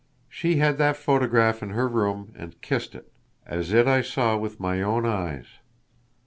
She had that photograph in her room and kissed it, as it I saw with my own eyes.